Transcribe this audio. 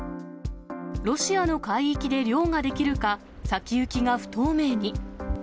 ロシアの海域で漁ができるか、先行きが不透明に。